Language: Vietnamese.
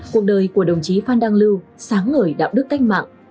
cuộc đời của đồng chí phan đăng lưu sáng ngời đạo đức cách mạng